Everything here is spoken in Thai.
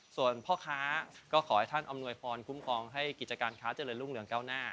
ส่วนพ่อค้าก็ขอให้ท่านอำนวยพรคุ้มครองให้กิจการค้าเจริญรุ่งเรืองเก้าหน้า